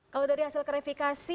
kalau dari hasil klarifikasi